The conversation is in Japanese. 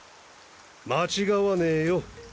間違わねぇよ。